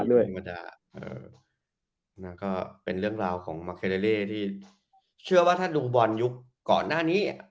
ด้วยมันก็เป็นเรื่องราวของสี่เชื่อว่าถ้าดูบอลยุคก่อนหน้านี้อ่ะ